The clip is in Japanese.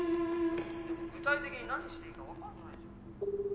具体的に何していいか分かんないじゃん。